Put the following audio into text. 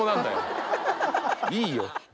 いいよ。